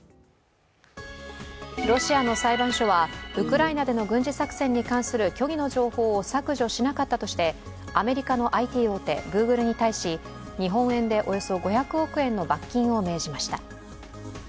ロシアの裁判所は、ウクライナでの軍事作戦に関する虚偽の情報を削除しなかったとしてアメリカのＩＴ大手グーグルに対し日本円でおよそ５００億円の罰金を命じました。